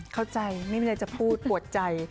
เข้าใจไม่มีอะไรจะพูดปวดใจ